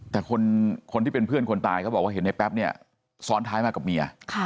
แต่คนที่เป็นเพื่อนคนตายเขาบอกว่าเห็นในแป๊บเนี่ยซ้อนท้ายมากับเมีย